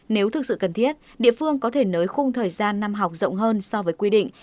nếu thực sự cần thiết địa phương có thể nới khung thời gian năm học rộng hơn so với quy định